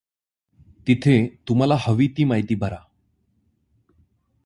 तिथे तुम्हाला हवी ती माहिती भरा.